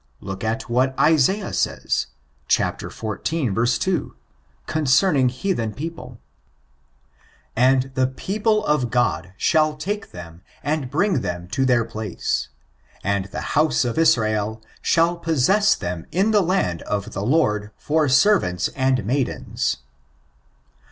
Look what Isaiah says, ch. xiv. 2, concerning heathen people :'* And the pef>ple, [of God] shall take them and bring them to their place; and the house of Israel shall possess them in the land of the Lord for servants and maidens."